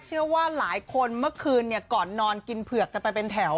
เชื่อว่าหลายคนเมื่อคืนก่อนนอนกินเผือกกันไปเป็นแถว